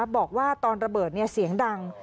บอกว่าตอนระเบิดเสียงดัง